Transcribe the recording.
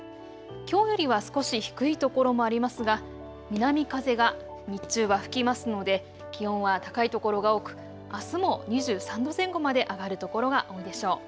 きょうよりは少し低い所もありますが南風が日中は吹きますので気温は高い所が多くあすも２３度前後まで上がる所が多いでしょう。